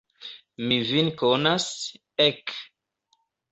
Mi vin konas, ek!